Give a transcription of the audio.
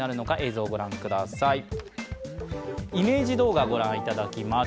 イメージ動画をご覧いただきます。